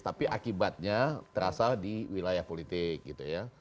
tapi akibatnya terasa di wilayah politik gitu ya